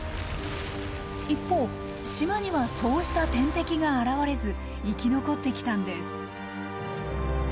一方、島にはそうした天敵が現れず、生き残ってきたんです。